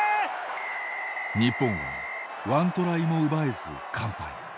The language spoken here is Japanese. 日本はワントライも奪えず完敗。